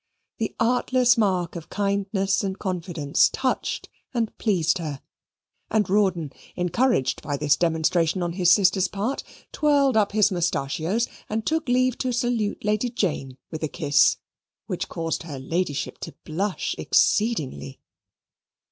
The artless mark of kindness and confidence touched and pleased her; and Rawdon, encouraged by this demonstration on his sister's part, twirled up his mustachios and took leave to salute Lady Jane with a kiss, which caused her Ladyship to blush exceedingly.